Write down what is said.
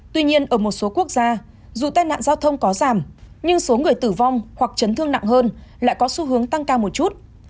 tuy nhiên ở một số quốc gia dù tai nạn giao thông có giảm nhưng số người tử vong hoặc chấn thương nặng hơn lại có xu hướng tăng cao một chút